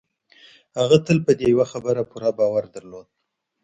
هغه تل په دې يوه خبره پوره باور درلود.